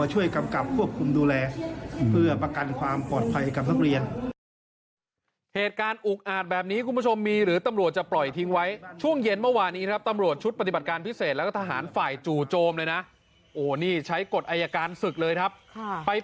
เหตุการณ์อุกอาจแบบนี้คุณผู้ชมมีหรือตำรวจจะปล่อยทิ้งไว้ช่วงเย็นเมื่อวานนี้ครับตำรวจชุดปฏิบัติการพิเศษแล้วก็ทหารฝ่ายจู่โจมเลยนะโอ้นี่ใช้กฎไอ้อาการศึกเลยครับไปเปลี่ยนกันนะครับ